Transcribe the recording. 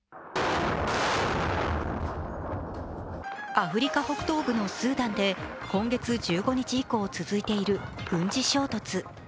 アフリカ北東部のスーダンで今月１５日以降続いている軍事衝突。